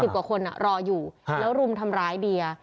กว่าคนรออยู่แล้วรุมทำร้ายเดีย